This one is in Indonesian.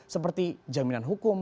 seperti jaminan hukum